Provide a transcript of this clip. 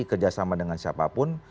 kerjasama dengan siapapun